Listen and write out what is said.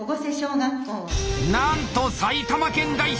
なんと埼玉県代表